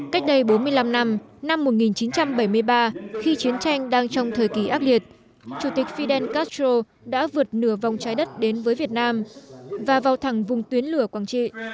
cách đây bốn mươi năm năm một nghìn chín trăm bảy mươi ba khi chiến tranh đang trong thời kỳ ác liệt chủ tịch fidel castro đã vượt nửa vòng trái đất đến với việt nam và vào thẳng vùng tuyến lửa quảng trị